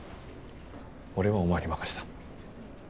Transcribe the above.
俺はお前に任せた。